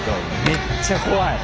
めっちゃ怖い。